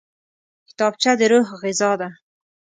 کتابچه د روح غذا ده